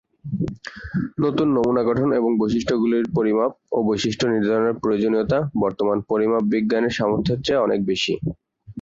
নতুন নমুনা গঠন এবং বৈশিষ্ট্যগুলির পরিমাপ ও বৈশিষ্ট্য নির্ধারণের প্রয়োজনীয়তা বর্তমান পরিমাপ বিজ্ঞানের সামর্থ্যের চেয়ে অনেক বেশি।